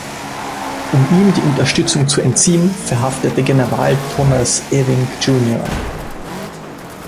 Um ihm die Unterstützung zu entziehen, verhaftete General Thomas Ewing, Jr.